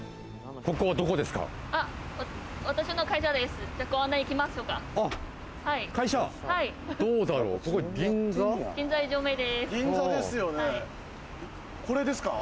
ここは、どこですか？